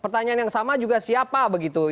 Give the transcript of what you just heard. pertanyaan yang sama juga siapa begitu